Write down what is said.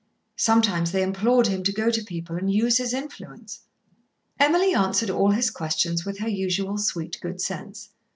Sometimes they implored him to go to people and use his influence. Emily answered all his questions with her usual sweet, good sense.